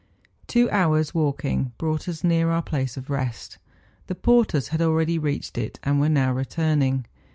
Two hours' walking brought us near our place of rest; the porters had already reached it, and were now returning.